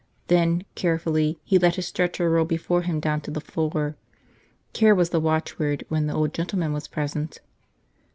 Then, carefully, he let his stretcher roll before him down to the floor. Care was the watchword when the old gentleman was present.